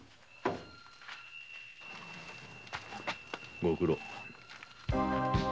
ご苦労。